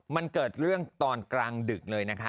มันเกิดเรื่องตอนกลางดึกเลยนะคะ